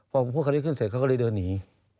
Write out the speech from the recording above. พอผมพูดคราวนี้ขึ้นเสร็จเขาก็เลยเดินหนี